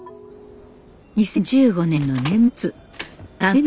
２０１５年の年末。